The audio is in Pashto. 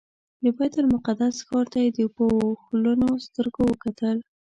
د بیت المقدس ښار ته یې په اوښلنو سترګو وکتل.